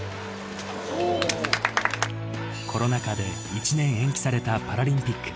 コロナ禍で１年延期されたパラリンピック。